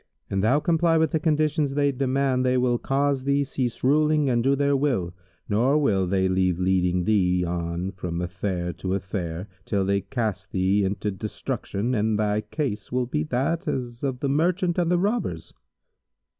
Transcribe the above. An thou comply with the conditions they demand, they will cause thee cease ruling and do their will; nor will they leave leading thee on from affair to affair, till they cast thee into destruction, and thy case will be as that of the Merchant and the Robbers."